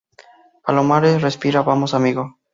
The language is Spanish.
palomares, respira. vamos, amigo.